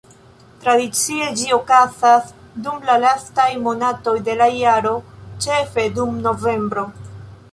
Tradicie ĝi okazas dum la lastaj monatoj de la jaro, ĉefe dum novembro.